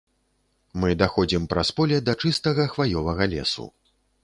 Мы даходзім праз поле да чыстага хваёвага лесу.